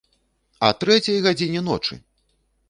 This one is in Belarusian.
А трэцяй гадзіне ночы!